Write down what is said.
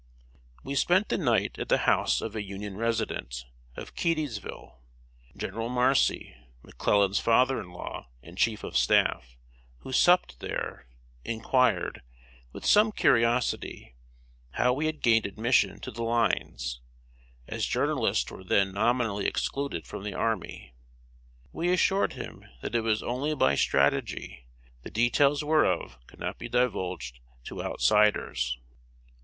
] We spent the night at the house of a Union resident, of Keedysville. General Marcy, McClellan's father in law and chief of staff, who supped there, inquired, with some curiosity, how we had gained admission to the lines, as journalists were then nominally excluded from the army. We assured him that it was only by "strategy," the details whereof could not be divulged to outsiders.